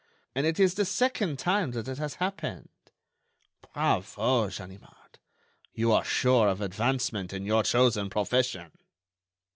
And it is the second time that it has happened. Bravo, Ganimard, you are sure of advancement in your chosen profession!"